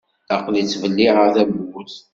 Aql-i ttbelliεeɣ tawwurt.